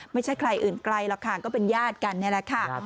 ไม่ใช่ใครอื่นไกลหรอกค่ะก็เป็นญาติกันนี่แหละค่ะ